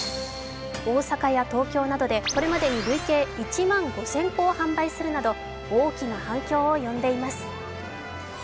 大阪や東京などでこれまでに累計１万５０００個を販売するなど、大きな反響を呼んでいます。